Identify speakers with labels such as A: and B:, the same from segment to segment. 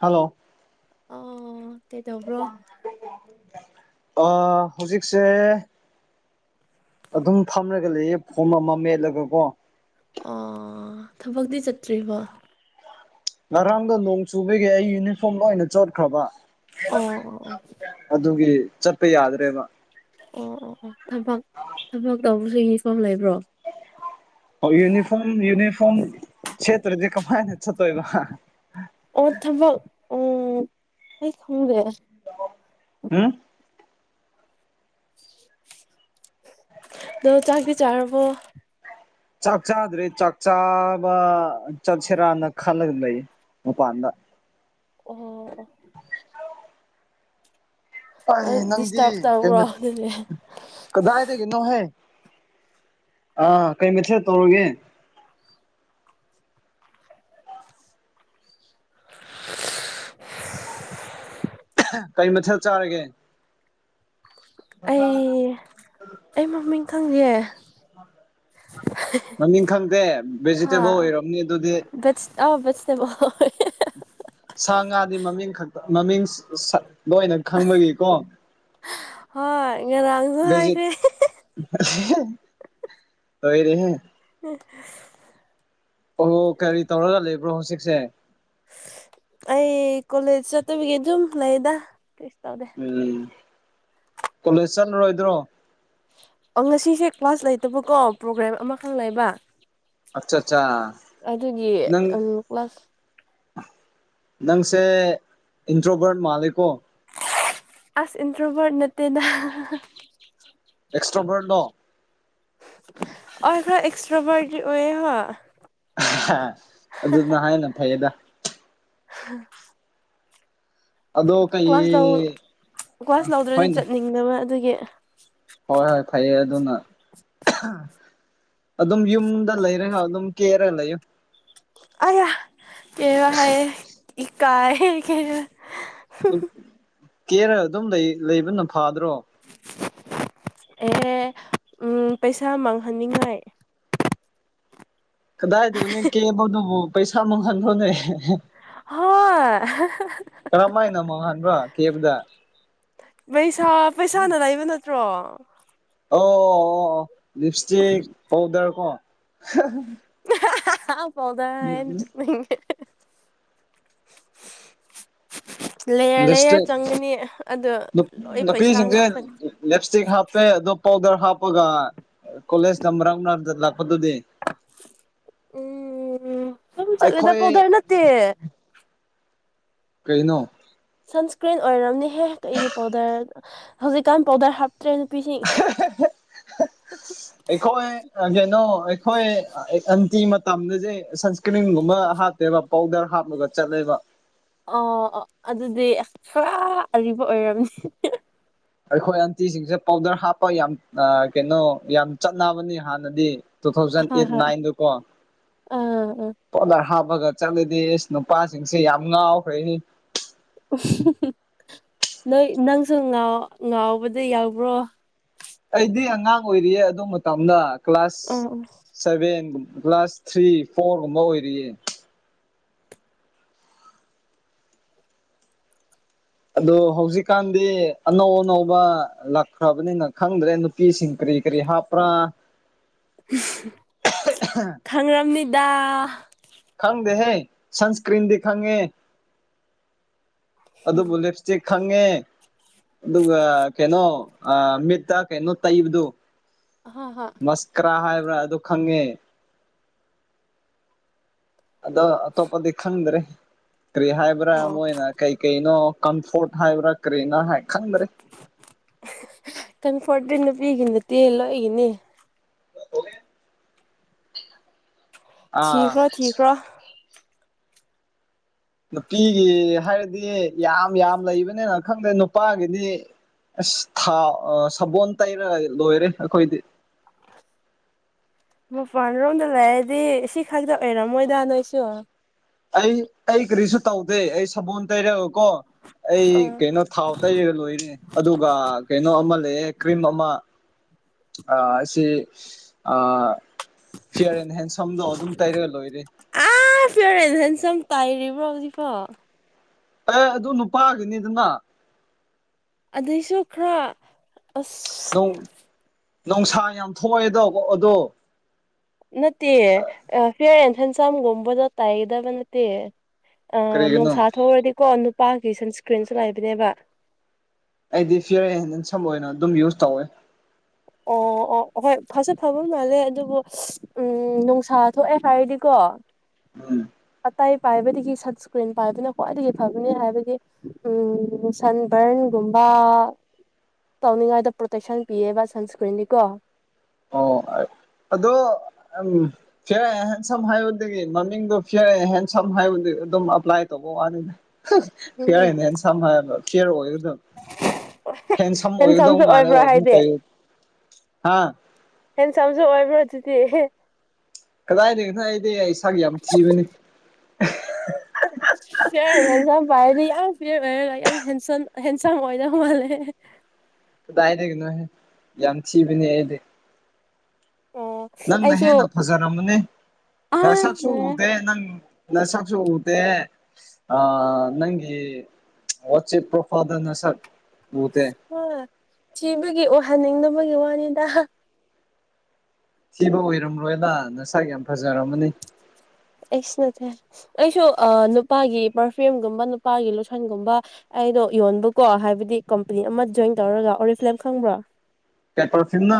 A: hello
B: ꯑꯣ ꯀꯩꯗꯧꯕ꯭ꯔꯣ
A: ꯑ ꯍꯧꯖꯤꯛꯁꯦ ꯑꯗꯨꯝ ꯐꯝꯂꯒ ꯂꯩꯌꯦ ꯐꯣꯝ ꯑꯃ ꯃꯦꯠꯂꯒꯀꯣ
B: ꯑꯣ ꯊꯕꯛꯇꯤ ꯆꯠꯇ꯭ꯔꯤꯕꯣ
A: ꯉꯔꯥꯡꯗ ꯅꯣꯡ ꯆꯨꯕꯒꯦ ꯑꯩ ꯌꯨꯅꯤꯐꯣꯔꯝ ꯂꯣꯏꯅ ꯆꯣꯠꯈ꯭ꯔꯕ
B: ꯑꯣ ꯑꯣ
A: ꯆꯠꯄꯦ ꯌꯥꯗ꯭ꯔꯦ ꯃꯥ
B: ꯑꯣ ꯑꯣ ꯑꯣ ꯊꯕꯛ ꯊꯕꯛ ꯇꯧꯕꯁꯨ ꯌꯐꯝ ꯂꯩꯕ꯭ꯔꯣ
A: ꯌꯨꯅꯤꯐꯣꯝ ꯌꯨꯅꯤꯐꯣꯝꯁꯇꯖ ꯀꯃꯥꯏꯅꯦ ꯆꯇꯗ
B: ꯑꯣ ꯊꯕꯛ ꯎ ꯑꯩ ꯈꯪꯗꯦ
A: ꯎꯝ
B: ꯑꯗꯣ ꯆꯥꯛꯗꯤ ꯆꯥꯔꯕꯣ
A: ꯆꯥꯛ ꯆꯥꯗ꯭ꯔꯦ ꯆꯥꯛ ꯆꯥꯕ ꯆꯠꯁꯤꯔꯅ ꯈꯜꯂꯒ ꯂꯩ ꯑꯄꯥ ꯑꯗ
B: ꯑꯣ ꯑꯣ
A: ꯑꯩꯥꯏ ꯅꯪꯗꯤ
B: ꯗꯤꯁꯇꯔꯕ
A: ꯀꯩ
B: ꯇꯧꯕ꯭ꯔꯣ ꯑꯗꯨꯗꯤ
A: ꯀꯗꯥꯏꯗꯒꯦꯅꯣꯍꯦ ꯑꯥ ꯀꯩ ꯃꯁ ꯇꯧꯔꯒꯦ
B: [inaudible]
A: ꯀꯔꯤ ꯃꯊꯦꯜ ꯆꯥꯔꯒꯦ
B: ꯑꯩ ꯑꯩ ꯃꯃꯤꯡ ꯈꯪꯗꯦ
A: ꯃꯃꯤꯡ ꯈꯪꯗꯦ ꯚꯦꯖꯤꯇꯦꯕꯜ ꯑꯣꯏꯔꯝꯅꯤ ꯑꯗꯨꯗꯤ
B: ꯑꯕꯁꯕꯣ
A: ꯁꯥ ꯉꯥꯗꯤ ꯃꯃꯤꯡ ꯈ ꯃꯃꯤꯡ ꯂꯣꯏꯅ ꯈꯪꯕꯒꯤꯀꯣ
B: ꯍꯣꯏ ꯉꯔꯥꯡꯁꯨ
A: ꯖꯤ
B: ꯍꯥꯏꯈ꯭ꯔꯦ
A: ꯂꯣꯏꯔꯦꯍꯦ
B: [inaudible]
A: ꯑꯣ ꯀꯔꯤ ꯇꯧꯔꯒ ꯂꯩꯕ꯭ꯔꯣ ꯍꯧꯖꯤꯛꯁꯦ
B: ꯑꯩ ꯀꯣꯂꯦꯖ ꯆꯠꯇꯕꯤꯒꯤ ꯑꯗꯨꯝ ꯂꯩꯗ ꯇꯧꯗꯦ
A: ꯎꯝ ꯀꯣꯂꯦꯖ ꯆꯠꯂꯔꯣꯏꯗ꯭ꯔꯣ
B: ꯑꯣ ꯉꯁꯤꯁꯦ ꯀ꯭ꯂꯥꯁ ꯂꯩꯇꯕꯀꯣ ꯄ꯭ꯔꯣꯒ꯭ꯔꯥꯝ ꯑꯃꯈꯛ ꯂꯩꯕ
A: ꯑꯠꯆꯥ ꯑꯠꯆꯥ
B: ꯑꯗꯨꯒꯤ
A: ꯅꯪ
B: ꯀ꯭ꯂꯥꯁ
A: ꯅꯪꯁꯦ ꯏꯟꯗ꯭ꯔꯣꯕꯔꯠ ꯃꯥꯂꯦꯀꯣ
B: ꯑꯁ ꯏꯟꯗ꯭ꯔꯣꯕꯔ ꯅꯠꯇꯦꯅ
A: ꯑꯦꯛꯁꯇ꯭ꯔꯣꯝꯕꯔ ꯅ
B: ꯑꯩ ꯑꯦꯛꯁꯇ꯭ꯔꯥꯕꯔ ꯑꯣꯏꯋꯌꯦ
A: ꯑꯗꯨꯗꯨꯅ ꯍꯥꯏꯅ ꯐꯩꯌꯦꯗ
B: [inaudible]
A: ꯑꯗꯣ
B: ꯀ꯭ꯂꯥꯁ ꯂꯧ
A: ꯀꯩ
B: ꯀ꯭ꯂꯥꯁ ꯂꯧꯗ꯭ꯔꯗꯤ
A: ꯍꯣꯏꯅꯦ
B: ꯆꯠꯅꯤꯡꯗꯕ ꯑꯗꯨꯒꯤ
A: ꯑꯗꯨꯣꯅ ꯑꯗꯨꯝ ꯌꯨꯝꯗ ꯂꯩꯔꯒ ꯑꯗꯨꯝ ꯀꯦꯔ ꯂꯩꯨ
B: ꯑꯔꯌꯥ ꯀ ꯍꯥꯏ ꯏꯀꯑ ꯀ
A: ꯀꯦꯔ ꯑꯗꯨꯝ ꯂꯩꯕꯅ ꯐꯥꯗ꯭ꯔꯣ
B: ꯑꯦ ꯎꯝ ꯄꯩꯁꯥ ꯃꯥꯡꯍꯟꯅꯤꯡꯉꯥꯏ
A: ꯀꯗꯥꯏꯗꯨ ꯅ ꯀꯕꯗꯨ ꯄꯩꯁꯥ ꯃꯉꯟꯊꯣꯅꯦ
B: ꯍꯣꯏ
A: ꯀꯔꯝꯥꯏꯅꯣ ꯑꯃꯣ ꯍꯥꯟꯕ꯭ꯔꯣ ꯀꯦꯕꯗ
B: ꯄꯩꯁꯥ ꯄꯩꯁꯥꯅ ꯂꯩꯕ ꯅꯠꯇ꯭ꯔꯣ
A: ꯑꯣ ꯑꯣ ꯑꯣ ꯂꯤꯞ ꯏꯁꯇꯤꯛ ꯄꯥꯎꯗꯔ ꯀꯣ
B: ꯄꯥꯎꯗꯥ ꯂꯩꯌꯥꯔ ꯂꯩꯔ
A: ꯂꯤꯞꯁꯇꯤꯛ
B: ꯆꯪꯒꯅꯤ ꯑꯗ ꯂꯣꯏ ꯄꯩꯁꯥ
A: ꯅꯨꯄꯤꯁꯤꯡꯁꯦ
B: ꯉꯥꯛꯀꯅꯤ
A: ꯂꯤꯞꯁꯇꯤꯛ ꯍꯥꯄꯦ ꯑꯗꯨꯣ ꯄꯥꯎꯗꯔ ꯍꯥꯄꯒ ꯀꯣꯦꯖ ꯅ ꯃꯔ ꯃ ꯂ ꯐꯗꯨꯗꯤ
B: ꯎꯝ ꯁꯨꯝ ꯆꯠꯂꯦꯗ
A: ꯑꯩꯈꯣꯏ
B: ꯄꯥꯎꯗꯔ ꯅꯠꯇꯦ
A: ꯀꯩꯅꯣ
B: ꯁꯟꯁꯀ꯭ꯔꯤꯟ ꯑꯣꯏꯔꯕꯝꯅꯤꯍꯦ ꯀꯩꯒꯤ ꯄꯥꯎꯗꯔ ꯍꯧꯖꯤꯛꯀꯥꯟ ꯄꯥꯎꯗꯔ ꯍꯥꯞ
A: ꯑꯩꯈꯣꯏ ꯑꯦꯖꯩꯅꯣ ꯑꯈꯣꯏ ꯑꯟꯇꯤ ꯃꯇꯝꯗꯁꯦ ꯁꯟꯁꯀ꯭ꯔꯤꯟꯒꯨꯝꯕ ꯍꯥꯞꯇꯦꯕ ꯄꯥꯎꯗꯔ ꯍꯥꯞꯂꯒ ꯆꯠꯂꯦꯕ
B: ꯑꯣ ꯑꯣ ꯑꯗꯨꯗꯤ ꯑꯁ ꯐꯥꯔ ꯑꯔꯤꯕ ꯑꯣꯏꯔꯝꯅꯤ
A: ꯑꯩꯈꯣꯏ ꯑꯟꯇꯤꯁꯤꯡꯁꯦ ꯄꯥꯎꯗꯔ ꯍꯥꯞꯄ ꯌꯥꯝ ꯀꯩꯅꯣ ꯌꯥꯝ ꯆꯠꯅꯕꯅꯤ ꯍꯥꯟꯅꯗꯤ ꯇꯨ ꯊꯥꯎꯖꯟ
B: ꯍꯣꯏ
A: ꯑꯩꯠ
B: ꯍꯣꯏ
A: ꯅꯥꯏꯟꯗꯀꯣ
B: ꯑꯥ ꯑꯥ
A: ꯄꯥꯎꯗꯔ ꯍꯥꯞ ꯄꯒ ꯆꯠꯂꯗꯤ ꯑꯁ ꯅꯨꯄꯥꯁꯤꯡꯁꯦ ꯌꯥꯝ ꯉꯥꯎꯈ꯭ꯔꯦꯍꯦ
B: ꯎꯝ ꯍꯨꯝ ꯍꯍ ꯅꯣꯏ ꯅꯪꯁꯨ ꯉꯥꯎ ꯉꯥꯎꯕꯗ ꯌꯥꯎꯕ꯭ꯔꯣ
A: ꯉꯥꯡ ꯑꯣꯏꯔꯤꯌꯦ ꯑꯗꯨ ꯃꯇꯝꯗ
B: ꯎꯝ
A: ꯀ꯭ꯂꯥꯁ
B: ꯎꯝ
A: ꯁꯚꯦꯟꯒꯨꯝꯕ ꯀ꯭ꯂꯥꯁ ꯊ꯭ꯔꯤ ꯐꯣꯔꯒꯨꯝꯕ ꯑꯣꯏꯔꯤꯌꯦ ꯑꯗꯣ ꯍꯧꯖꯤꯛꯀꯥꯟꯗꯤ ꯑꯅꯧ ꯑꯅꯧꯕ ꯂꯥꯛꯈ꯭ꯔꯕꯅꯤꯅ ꯈꯪꯗ꯭ꯔꯦ ꯅꯨꯄꯤꯁꯤꯡ ꯀꯔꯤ ꯀꯔꯤ ꯍꯥꯞꯄ꯭ꯔꯥ
B: ꯎꯡ ꯍꯍ ꯈꯪꯔꯝꯅꯤꯗ
A: ꯈꯪꯗꯦꯍꯦ ꯁꯟꯁꯀ꯭ꯔꯤꯟꯗꯤ ꯈꯪꯉꯦ ꯑꯗꯨꯕꯨ ꯂꯤꯞꯁꯇꯤꯛ ꯈꯪꯉꯦ ꯑꯗꯨꯒ ꯀꯩꯅꯣ ꯑꯥ ꯃꯤꯠꯇ ꯀꯩꯅꯣ ꯇꯩꯕꯗꯨ
B: ꯍ ꯍ
A: ꯃꯁꯀ꯭ꯔꯥ ꯍꯥꯏꯕ꯭ꯔꯥ ꯑꯗꯨ ꯈꯪꯉꯦ ꯑꯗꯣ ꯑꯇꯣꯞꯄꯗꯤ ꯈꯪꯗ꯭ꯔꯦ ꯀ꯭ꯔꯤ ꯍꯥꯏꯕ꯭ꯔꯥ ꯃꯣꯏꯅ ꯀꯩ ꯀꯩꯅꯣ ꯀꯝꯐꯣꯔꯠ ꯍꯥꯏꯕ꯭ꯔꯥ ꯀꯔꯤꯅꫭ ꯍꯥꯏ ꯈꯪꯗ꯭ꯔꯦ
B: ꯀꯝꯐꯣꯔꯇꯤ ꯅꯨꯄꯤꯒꯤ ꯅꯠꯇꯦ ꯂꯣꯏꯒꯤꯅ‌ꯦ
A: [unintelligible] ꯑꯥ
B: ꯊꯤꯈ꯭ꯔꯣ ꯊꯤꯈ꯭ꯔꯣ
A: ꯅꯨꯄꯤꯒꯤ ꯍꯥꯏꯔꯗꯤ ꯌꯥꯝ ꯌꯥꯝ ꯂꯩꯕꯅꯦꯕ ꯈꯪꯗꯦ ꯅꯨꯄꯥꯒꯤꯗꯤ ꯑꯁ ꯊꯥꯎ ꯁꯕꯣꯟ ꯇꯩꯔꯒ ꯂꯣꯏꯔꯦ ꯑꯩꯈꯣꯏꯗꯤ
B: [inaudible] ꯃꯄꯥꯜ ꯔꯣꯝꯗ ꯂꯩꯔꯗꯤ ꯁꯤ ꯈꯛꯇ ꯑꯣꯏꯔꯝꯃꯣꯏꯗ ꯅꯣꯏꯁꯨ
A: ꯑꯩ ꯑꯩ ꯀꯔꯤꯁꯨ ꯇꯧꯗꯦ ꯑꯩ ꯁꯕꯣꯜ ꯇꯩꯔꯦꯒꯀꯣ ꯑꯩ ꯀꯩꯅꯣ ꯊꯥꯎ ꯇꯩꯔꯒ ꯂꯣꯏꯔꯦ ꯑꯗꯨꯒ ꯀꯩꯅꯣ ꯑꯃ ꯂꯩꯑꯦ ꯀ꯭ꯔꯤꯝ ꯑꯃ ꯑꯥ ꯁꯤ ꯑꯥ ꯐꯤꯌꯥꯔ ꯑꯦꯟ ꯍꯦꯟꯁꯝꯗꯣ ꯑꯗꯨꯝ ꯇꯩꯔꯒ ꯂꯣꯏꯔꯦ
B: ꯑꯥ ꯐꯤꯌꯔ ꯑꯦꯟ ꯍꯦꯟꯁꯝ ꯇꯥꯏꯔꯤꯕ꯭ꯔꯣ ꯍꯧꯖꯤꯛꯐꯥꯎ
A: ꯑꯦ ꯑꯗꯨ ꯅꯨꯄꯥꯒꯤꯅꯤꯗꯅ
B: ꯑꯗꯨꯏꯁꯨ ꯈꯔ ꯑꯁ
A: ꯅꯨꯡꯁꯥ ꯌꯥꯝ ꯊꯣꯛꯑꯦꯗꯣ ꯑꯗꯣ
B: ꯅꯠꯇꯦ ꯑ ꯐꯦꯔ ꯑꯦꯟ ꯍ‌ꯦꯟꯁꯝꯒꯨꯝꯕꯗꯣ ꯇꯩꯒꯗꯕ ꯅꯠꯇꯦ ꯑꯥ
A: ꯀꯔꯤꯒꯤꯅꯣ
B: ꯅꯨꯡꯁꯥ ꯊꯣꯛꯔꯗꯤꯀꯣ ꯅꯨꯄꯥꯒꯤ ꯁꯟꯁꯀ꯭ꯔꯤꯟꯁꯨ ꯂꯩꯕꯅꯦꯕ
A: ꯑꯩꯗꯤ ꯐꯤꯌꯔ ꯑꯦꯟ ꯍꯦꯟꯁꯝ ꯑꯣꯏꯅ ꯑꯗꯨꯝ ꯌꯨꯁ ꯇꯧꯋꯦ
B: ꯑꯣ ꯑꯣ ꯍꯣꯏ ꯐꯁꯨ ꯐꯕ ꯃꯥꯜꯂꯦ ꯑꯗꯨꯕꯨ ꯎꯝ ꯅꯨꯡꯁꯥ ꯊꯣꯛꯑꯦ ꯍꯥꯏꯔꯗꯤꯀꯣ [unintelligible]
A: ꯎꯝ
B: ꯇꯩ ꯄꯥꯏꯕꯗꯒꯤ ꯁꯟꯁꯀ꯭ꯔꯤꯟ ꯄꯥꯏꯕꯅ ꯈ꯭ꯋꯥꯏꯗꯒꯤ ꯐꯕꯅꯤ ꯍꯥꯏꯕꯗꯤ ꯎꯝ ꯁꯟꯕꯔꯟ ꯒꯨꯝꯕ ꯇꯧꯅꯤꯡꯉꯥꯏꯗ ꯄ꯭ꯔꯣꯇꯦꯛꯁꯟ ꯄꯤꯌꯦꯕ ꯁꯟꯁꯀ꯭ꯔꯤꯟꯗꯤꯀꯣ
A: ꯑꯣ ꯑ ꯑꯗꯣ ꯎꯝ ꯐꯤꯔ ꯑꯦꯟ ꯍꯦꯟꯁꯝ ꯍꯥꯏꯕꯗꯒꯤ ꯃꯃꯤꯡꯗꯨ ꯐꯤꯔ ꯑꯦꯍꯦꯟ ꯁꯝ ꯍꯥꯏꯕ ꯑꯗꯨꯝ ꯑꯄ꯭ꯂꯥꯏ ꯇꯧ ꯋꯥꯅꯤꯗ ꯍꯍ
B: ꯎꯝ
A: ꯐꯤꯔ
B: ꯎꯝ
A: ꯑꯦꯟ ꯍ‌ꯦꯟꯁꯝ ꯍꯥꯏꯕ ꯐꯤꯌꯔ ꯑꯣꯏ ꯍꯦꯟ ꯁꯝ ꯑꯣꯏꯒꯗꯧ
B: ꯍꯦꯟꯁꯝꯁꯨ ꯑꯣꯏꯕ꯭ꯔꯣ
A: ꯃꯥꯜꯂ‌ꯦꯕ ꯑꯗꯨꯝ
B: ꯍꯥꯏꯗꯤ
A: ꯇꯩ ꯍꯥ
B: ꯍꯦꯟꯁꯝꯁꯨ ꯑꯣꯏꯕ꯭ꯔꯣ ꯑꯗꯨꯗꯤ
A: ꯀꯗꯥꯏꯗꯒꯤꯅꫭ ꯑꯩꯗꯤ ꯁꯛ ꯌꯥꯝ ꯊꯤꯕꯅꯤ ꯑꯍ
B: ꯐꯤꯌꯔ ꯑꯦꯟ ꯍꯦꯟꯁꯝ ꯄꯥꯏꯔꯗꯤ ꯌꯥꯝ ꯐꯤꯌꯔ ꯑꯣꯏꯔꯒ ꯌꯥꯝ ꯍꯦꯟꯁꯟ ꯍꯦꯟꯁꯝ ꯑꯣꯏꯗꯧ ꯃꯥꯜꯂꯦ
A: ꯀꯗꯥꯏꯗꯒꯤꯅꯣꯍꯦ ꯌꯥꯝ ꯊꯤꯕꯅꯤ ꯑꯩꯗꯤ
B: ꯑꯣ
A: ꯅꯪꯅ
B: ꯑꯩꯁꯨ
A: ꯍꯦꯟꯅ ꯐꯖꯔꯝꯃꯅꯤ
B: ꯑꯥ
A: ꯅꯁꯛꯁꯨ
B: ꯂꯣꯏꯔꯦ
A: ꯎꯗꯦ ꯅꯪ ꯅꯁꯛꯁꯨ ꯎꯗꯦ ꯑꯥ ꯅꯪꯒꯤ ꯋꯥꯆꯦꯞ ꯄ꯭ꯔꯣꯐꯥꯏꯜꯗ ꯅꯁꯛ ꯎꯗꯦ
B: ꯍꯣꯏ ꯊꯤꯕꯒꯤ ꯎꯍꯟꯅꯤꯡꯗꯅꯕꯒꯤ ꯋꯥꯅꯤꯗ
A: ꯁꯤꯕ ꯑꯣꯏꯔꯝꯔꯣꯏꯗ ꯅꯁꯥꯒꯤ ꯌꯥꯝ ꯐꯖꯔꯝꯃꯅꯤ
B: ꯑꯩꯁꯨ ꯅꯠꯇꯦ ꯑꯩꯁꯨ ꯅꯨꯄꯥꯒꯤ ꯄꯔꯐ꯭ꯌꯨꯝꯒꯨꯝꯕ ꯅꯨꯄꯥꯒꯤ ꯂꯨꯁꯟꯒꯨꯝꯕ ꯗꯣ ꯌꯣꯟꯕꯀꯣ ꯍꯥꯏꯕꯗꯤ ꯀꯝꯄꯅꯤ ꯑꯃ ꯖꯣꯏꯟ ꯇꯧꯔꯒ ꯑꯣꯔꯤ ꯐꯂꯦꯝ ꯈꯪꯕ꯭ꯔꯣ
A: ꯀꯦꯄ꯭ꯔꯣꯁꯤꯅ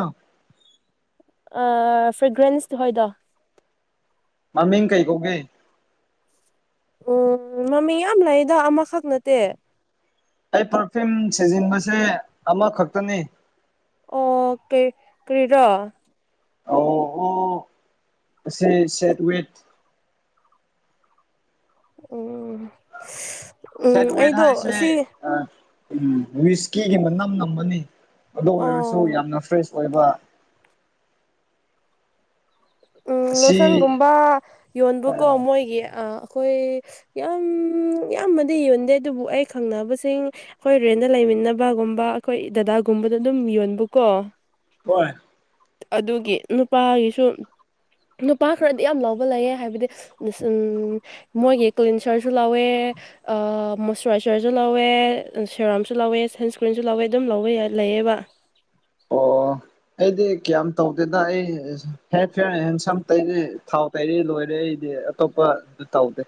B: ꯐ꯭ꯔꯦꯒ꯭ꯔꯦꯟꯁꯇ ꯍꯣꯏꯗꯣ
A: ꯑꯃꯤꯡ ꯀꯩꯀꯣꯒꯦ
B: ꯎꯝ ꯃꯃꯤ ꯌꯥꯝ ꯂꯩꯗ ꯑꯃꯈꯛ ꯅꯠꯇꯦ
A: ꯑꯩ ꯄꯔꯐꯤꯌꯨꯝ ꯁꯤꯖꯤꯟꯕꯁꯦ ꯑꯃꯈꯛꯇꯅꯤ
B: ꯑꯣ ꯀꯦ ꯀ꯭ꯔꯔꯤꯔꯥ
A: ꯑꯣ ꯑꯣꯁꯦ ꯁꯦꯠꯋꯦꯠ
B: ꯎꯝ ꯎꯝ
A: ꯁꯦꯠ ꯋꯦ ꯊꯥ
B: ꯑꯩꯗꯣ
A: ꯏꯦ
B: ꯑꯁꯤ
A: ꯑ ꯎꯝ ꯋꯤꯁꯀꯤꯒꯤ ꯃꯅꯝ ꯅꯝꯕꯅꯤ ꯑꯗꯨ ꯑꯣꯏꯔꯁꯨ
B: ꯑꯣ
A: ꯌꯥꯝꯅ ꯐ꯭ꯔꯦꯁ ꯑꯣꯏꯕ
B: ꯎꯝ
A: ꯑꯁꯤ
B: ꯂꯣꯁꯟꯒꯨꯝꯕ ꯌꯣꯟꯕꯀꯣ ꯃꯣꯏꯒꯤ ꯑ ꯑꯩꯈꯣꯏ ꯌꯥꯝ ꯏꯌꯥꯝꯕꯗꯤ ꯌꯣꯟꯗꯦ ꯑꯗꯨꯕꯨ ꯑꯩ ꯈꯪꯅꯕꯁꯤꯡ ꯑꯩꯈꯣꯏ ꯔꯦꯟꯗ ꯂꯩ ꯇꯃꯤꯠꯅꯕꯒꯨꯝꯕ ꯑꯩꯈꯣꯏ ꯗꯗꯥꯒꯨꯝꯕꯗ ꯑꯗꯨꯝ ꯌꯣꯟꯕꯀꯣ
A: ꯍꯣꯏ
B: ꯑꯗꯨꯒꯤ ꯅꯨꯄꯥꯒꯤꯁꯨ ꯅꯨꯄꯥ ꯈꯔꯗꯤ ꯌꯥꯝ ꯂꯕ ꯂꯩꯑ ꯍꯥꯏꯕꯗꯤ ꯎ ꯃꯣꯏꯒꯤ ꯀ꯭ꯂꯤꯟꯁꯔꯁꯨ ꯂꯧꯥꯎꯋꯦ ꯃꯣꯏꯆꯔꯥꯏꯖꯔꯁꯨ ꯂꯧꯋꯦ ꯁꯦꯔꯥꯝꯁꯨ ꯂꯧꯋꯦ ꯁꯟꯁꯀ꯭ꯔꯤꯟꯁꯨ ꯂꯧꯋꯦ ꯑꯗꯨꯝ ꯂꯧꯕ ꯂꯩꯦ ꯑꯦꯕ
A: ꯑꯣ ꯑꯩꯗꯤ ꯀꯌꯥꯝ ꯇꯧꯗꯦꯗ ꯑꯩ ꯍꯦ ꯍꯦ ꯁꯝ ꯇꯩꯔ ꯊꯥꯎ ꯇꯩꯔ ꯂꯣꯏꯔꯦ ꯑꯩꯗꯤ ꯑꯇꯣꯞꯄ ꯑꯗꯨ ꯇꯥꯎꯗꯦ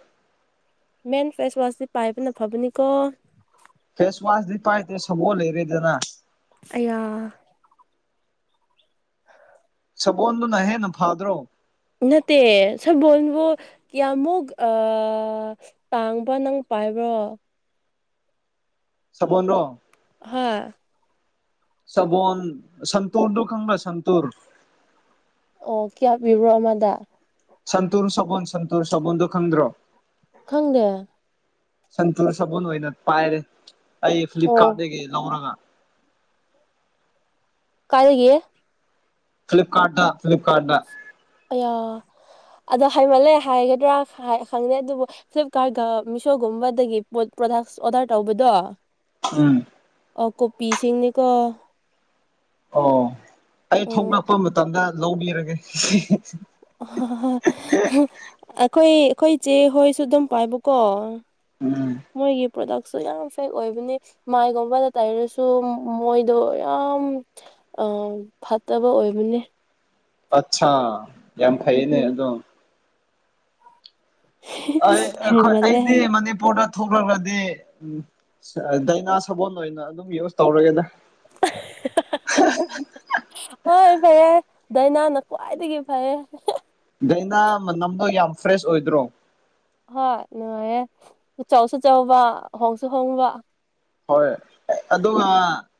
B: ꯃꯦꯟ ꯐꯦꯁ ꯋꯥꯁꯁꯤ ꯄꯥꯏꯕꯅ ꯐꯕꯅꯤꯀꯣ
A: ꯐꯦꯁ ꯋꯥꯁ ꯄꯥꯏꯇ ꯁꯣ ꯂꯩꯔꯦꯗꯅ
B: ꯑ
A: ꯁꯕꯣꯟ ꯑꯗꯨ ꯅꯍꯦ ꯅ ꯐꯗ꯭ꯔꯣ
B: ꯅꯠꯇꯦ ꯁꯕꯣꯜꯕꯨ ꯀꯌꯥꯃꯨꯛ ꯇꯥꯡꯕ ꯅꯪ ꯄꯥꯏꯕ꯭ꯔꯣ
A: ꯁꯕꯅꯣ
B: ꯍꯥ
A: ꯁꯕꯣꯟ ꯁꯟꯇꯨꯔꯗꯨ ꯈꯪꯕ꯭ꯔ ꯁꯟꯇꯨꯔ
B: ꯑꯣ ꯀꯌꯥ ꯄꯤꯕ꯭ꯔꯣ ꯑꯃꯗ
A: ꯁꯟꯇꯨꯔ ꯁꯣꯟ ꯁꯟꯇꯨꯔ ꯁꯣꯟꯗꯨ ꯈꯪꯗ꯭ꯔꯣ
B: ꯈꯪꯗꯦ
A: ꯁꯟꯇꯨꯔ ꯁꯥꯕꯨꯜ ꯑꯣꯏꯅ ꯄꯥꯏꯔꯦ ꯑꯩ
B: ꯑꯣ
A: ꯐ꯭ꯂꯤꯞꯀꯥꯔꯠꯇꯗꯒꯤ ꯂꯧꯔꯒ
B: ꯀꯂꯒꯤ
A: ꯐꯤꯂꯤꯞꯀꯥꯔꯥ ꯐꯤꯂꯤꯞꯀꯥꯔ
B: ꯑꯣꯌꯥ ꯑꯗꯣ ꯍꯥꯏꯃꯜꯂꯦ ꯍꯥꯏꯒꯗ꯭ꯔꯥ ꯈꯪꯗꯦ ꯑꯗꯨꯕꯨ ꯐ꯭ꯂꯤꯞꯀꯥꯔꯠꯒ ꯃꯤꯁꯣꯒꯨꯝꯕꯗꯒꯤ ꯄꯣꯠ ꯄ꯭ꯔꯗꯛꯁ ꯑꯣꯔꯗꯔ ꯇꯧꯕꯗꯣ
A: ꯎꯝ
B: ꯑ ꯀꯣꯄꯤꯁꯤꯡꯅꯤꯀꯣ
A: ꯑꯣ ꯑꯩ
B: ꯎꯝ
A: ꯊꯣꯛꯂꯛꯄ ꯃꯇꯝꯗ ꯂꯤꯔꯒꯦ
B: ꯑꯩꯈꯣꯏ ꯑꯩꯈꯣꯏ ꯆꯦ ꯍꯣꯏꯁꯨ ꯑꯗꯨꯝ ꯄꯥꯏꯕꯀꯣ
A: ꯎꯝ [inaudible]
B: ꯃꯣꯏꯒꯤ ꯄ꯭ꯔꯗꯛꯁꯨ ꯌꯥꯝ ꯐꯦꯛ ꯑꯣꯏꯕꯅꯤ ꯃꯥꯏꯒꯨꯝꯕꯗ ꯇꯥꯏꯔꯁꯨ ꯃꯣꯏꯗꯣ ꯌꯥꯝ ꯑ ꯐꯠꯇꯕ ꯑꯣꯏꯕꯅꯦ
A: ꯑꯆꯥꯥ ꯌꯥꯝꯦꯝ ꯈꯩꯅꯦ
B: ꯑꯗꯨꯒꯤ
A: ꯑꯗꯨꯣ ꯑꯩ ꯑꯩꯈꯣꯏ
B: ꯍꯩꯃꯜꯂꯦ
A: ꯑꯩꯗꯤ
B: ꯍꯥꯏ
A: ꯃꯅꯤꯄꯨꯔꯗ ꯆꯥꯊꯣꯛꯂꯛꯒꯗꯤ ꯎ ꯗꯥꯏꯅꯥ ꯁꯥꯕꯣꯣꯟ ꯑꯣꯏꯅ ꯑꯗꯨꯝ ꯌꯨꯁ ꯇꯧꯔꯒꯦꯗ [unintelligible] [inaudible]
B: ꯍꯣꯏ ꯐꯩꯌꯦ ꯗꯥꯏꯅꯥꯅ ꯈ꯭ꯋꯥꯏꯗꯒꯤ ꯐꯩ
A: ꯑꯩꯅ ꯃꯅꯝꯗꯣ ꯌꯥꯝ ꯐ꯭ꯔꯦꯁ ꯑꯣꯏꯗ꯭ꯔꯣ
B: ꯍꯣꯏ ꯅꯨꯡꯉꯥꯏꯌꯦꯦ ꯆꯥꯎꯁꯨ ꯆꯥꯎꯕ ꯍꯣꯡꯁꯨ ꯍꯣꯡꯕ
A: ꯍꯣꯏ ꯑꯗꯨꯒ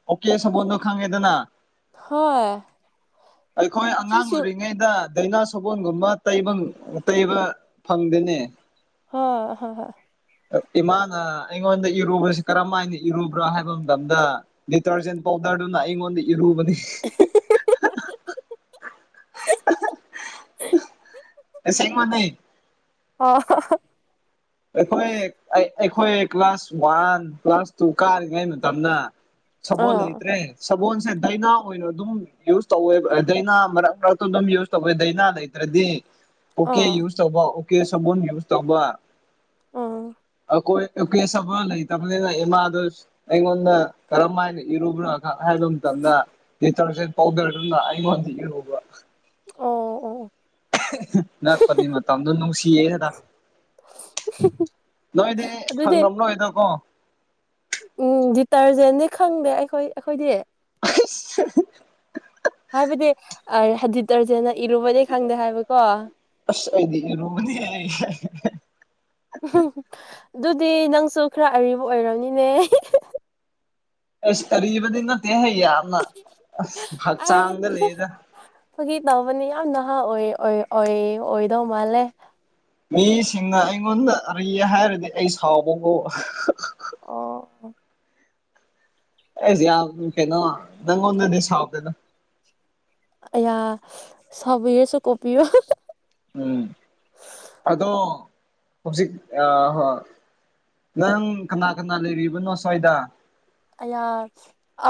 A: ꯑꯣꯀꯦ ꯁꯒꯣꯜꯗꯣ ꯈꯪꯉꯦꯗꯅ
B: ꯍꯣꯏ
A: ꯑꯩꯈꯣꯏ ꯑꯉꯥꯡ
B: ꯄꯤꯁꯨ
A: ꯑꯣꯏꯔꯤꯉꯩꯗ ꯗꯥꯏꯅꯥ ꯁꯣꯕꯣꯟꯒꯨꯝꯕ ꯇꯩꯕ ꯇꯩꯕ ꯐꯪꯗꯅꯦ
B: ꯍ ꯍ ꯍ [unintelligible] [inaudible]
A: ꯏꯃꯥꯅ ꯑꯩꯉꯣꯟꯗ ꯏꯔꯨꯕꯁꯤ ꯀꯔꯝ ꯍꯥꯏꯅ ꯏꯔꯨꯕ꯭ꯔꯥ ꯍꯥꯏꯕ ꯃꯇꯝꯗ ꯗꯤꯇꯔꯖꯦꯟ ꯄꯥꯎꯗꯔꯗꯨꯅ ꯑꯩꯉꯣꯟꯗ ꯏꯔ ꯃꯗꯤ [unintelligible] [inaudible] ꯑꯦꯁꯥꯏꯃꯅꯦꯦ
B: ꯑ [unintelligible] [inaudible]
A: ꯑꯩꯈꯣꯏ ꯑꯩꯈꯣꯏ ꯀ꯭ꯂꯥꯁ ꯋꯥꯟ ꯀ꯭ꯂꯥꯁ ꯇꯨ ꯀꯥꯔꯤꯉꯩ ꯃꯇꯝꯅ ꯁꯕꯣꯜ
B: ꯑꯥ
A: ꯂꯩꯇ꯭ꯔꯦ ꯁꯕꯣꯜꯁꯦ ꯗꯥꯅꯥ ꯑꯣꯏꯅ ꯑꯗꯨꯝ ꯌꯨꯁ ꯇꯧꯋꯦ ꯗꯥꯏꯅꯥ ꯃꯔꯛ ꯃꯔꯛꯇ ꯑꯗꯨꯝ ꯌꯨꯁ ꯇꯧꯋꯦ ꯗꯥꯅꯥ ꯂꯩꯇ꯭ꯔ ꯗꯤ ꯑꯣꯀꯦ
B: ꯑꯥ
A: ꯌꯨꯁ ꯇꯧꯕ ꯑꯣꯀꯦ ꯁꯒꯣꯜ ꯌꯨꯁ ꯇꯧꯕ
B: ꯑꯥ
A: ꯣꯏ ꯀꯦꯕ ꯂꯩꯇꯕꯅꯤꯅ ꯏꯃꯥꯗ ꯑꯩꯉꯣꯟꯗ ꯀꯔꯝ ꯍꯥꯏꯅ ꯏꯔꯨꯕ꯭ꯔꯥ ꯍꯥꯏꯕ ꯝꯅ ꯄꯥꯎꯗꯔ ꯑꯩꯉꯣꯟꯗꯨꯕ
B: ꯑꯣ ꯑꯣ [inaudible]
A: ꯅꯄꯅꯤ ꯃꯗꯅꯨꯡꯁꯤ ꯌꯦꯦ ꯍꯥꯏꯗ ꯅꯣꯏꯗꯤ
B: ꯑꯗꯨꯗꯤ
A: ꯐꯪꯅꯕ ꯅꯣꯏꯗꯀꯣ
B: ꯎꯝ ꯗꯤꯇꯔꯖꯦꯅꯤ ꯈꯪꯗꯦ ꯑꯩꯈꯣꯏ ꯑꯩꯈꯣꯏꯗꯤ
A: [unintelligible] [inaudible]
B: ꯍꯥꯏꯕꯗꯤ ꯑ ꯍꯗ ꯇꯔꯖꯅ
A: ꯑꯁꯗꯤꯔꯨꯕꯅꯤ ꯍꯥꯏ
B: ꯑꯗꯨꯗꯤ ꯅꯪꯁꯨ ꯈꯔ ꯑꯔꯤꯕ ꯑꯣꯏꯔꯕꯝꯅꯤꯅꯦ
A: ꯑꯦꯁ ꯀꯔꯤꯔꯤꯕꯗꯤ ꯅꯠꯇꯦ ꯍꯥꯏꯩ ꯌꯥꯝꯅ
B: ꯑꯩ
A: ꯍꯛꯆꯥꯡꯗ ꯂꯩꯗ
B: ꯐꯥꯒꯤ ꯇꯧꯕꯅꯤ ꯌꯥꯝ ꯅꯍꯥ ꯑꯣꯏ ꯑꯣꯏ ꯑꯣꯏꯗꯧ ꯃꯥꯜꯂꯦ
A: ꯃꯤꯁꯤꯡꯅ ꯑꯩꯉꯣꯟꯗ ꯑꯔꯤ ꯍꯥꯏꯔꯗꯤ ꯑꯩ ꯁꯥꯎꯕꯕꯨ
B: ꯑꯣ
A: ꯑꯦꯁ ꯌꯥ ꯀꯩꯅꯣ ꯅꯪꯉꯣꯣꯟ ꯅꯁꯗꯅ
B: ꯌꯥ ꯁꯁꯨ ꯀꯣꯄꯤꯤ ꯑꯣ
A: ꯎꯝ ꯑꯗꯣ ꯍꯧꯖꯤꯛ ꯑ ꯅꯪ ꯀꯅꯥ ꯀꯅꯥ ꯂꯩꯔꯤꯕꯅꯣ ꯁ꯭ꯋꯥꯏꯗ
B: ꯑ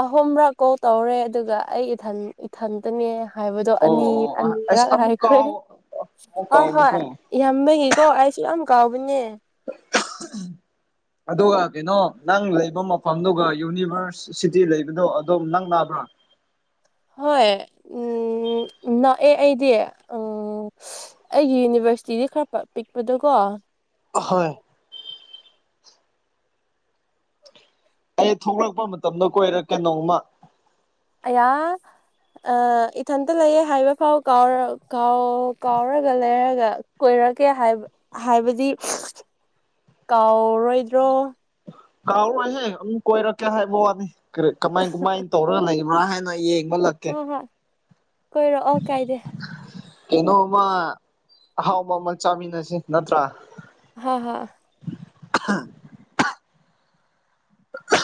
B: ꯑꯍꯨꯝꯕ꯭ꯔꯥ ꯀꯣꯜ ꯇꯧꯔꯦ ꯑꯗꯨꯒ ꯑꯩ ꯏꯊꯟꯇꯅꯦ ꯍꯥꯏꯕꯗꯣ
A: ꯑꯣ
B: ꯑꯅꯤ
A: ꯑꯣ ꯑꯁ
B: ꯑꯅꯤꯔꯛ
A: ꯑꯃꯨꯛ
B: ꯍꯥꯏꯈ꯭ꯔꯦ
A: ꯀꯥꯎ ꯑꯃꯨꯛ
B: ꯍꯣꯏ ꯍꯣꯏ
A: ꯀꯥꯎꯕꯀꯣ
B: ꯏꯌꯥꯝꯕꯒꯤ ꯀꯣ ꯑꯩꯁꯨ ꯌꯥꯝ ꯀꯥꯎꯕꯅꯦ
A: ꯑꯗꯨꯒ ꯀꯩꯅꯣ ꯅꯪ ꯂꯩꯕ ꯃꯐꯝꯗꯨꯒ ꯌꯨꯅꯤꯚꯔꯁ ꯁꯤꯇꯤ ꯂꯩꯕꯗꯣ ꯑꯗꯨꯝ ꯅꯪ ꯅꯥꯕ꯭ꯔꯥ
B: ꯍꯣꯏ ꯎꯝ ꯅ ꯑꯦ ꯑꯩꯗꯤ ꯎꯝ ꯑꯣ ꯑꯩꯒꯤ ꯌꯨꯅꯤꯚꯔꯁꯤꯇꯤꯗꯤ ꯈꯔ ꯄꯤꯛꯄꯗꯣꯀꯣ
A: ꯍꯣꯏ ꯑꯩ ꯊꯣꯛꯂꯛꯄ ꯃꯇꯝꯗ ꯀꯣꯏꯔꯦ ꯀꯩꯅꯣꯝꯃ
B: ꯌꯥ ꯑ ꯏꯊꯟꯇ ꯂꯩꯌꯦꯦ ꯍꯥꯏꯕ ꯐꯥꯎ ꯀꯔ ꯀꯥꯎꯔꯒ ꯂꯩꯔꯒ ꯀ ꯍꯥꯏꯔꯒꯦ ꯍꯥꯏꯕ ꯍꯥꯏꯕꯗꯤ ꯀꯥꯎꯔꯣꯏꯗ꯭ꯔꯣ
A: ꯀꯥꯎꯔꯣꯏꯁꯦ ꯑꯗꯨꯝ ꯀꯣꯏꯔꯛꯀꯦ ꯍꯥꯏꯕ ꯋꯥꯅꯤ ꯀꯃꯥꯏ ꯀꯃꯥꯏꯅ ꯇꯧꯔꯒ ꯂꯩꯕ꯭ꯔꯥ ꯍꯥꯏꯅꯣ ꯑꯩ
B: ꯍ ꯍꯣꯏ ꯀꯣꯏꯔꯛꯑꯣ ꯀꯥꯏꯗꯦ
A: ꯀꯩꯅꯣꯃ ꯑꯍꯥꯎꯕ ꯑꯃ ꯆꯥꯃꯤꯟꯅꯁꯤ ꯅꯠꯇ꯭ꯔꯥ
B: ꯍ ꯍ
A: ꯑ
B: ꯑ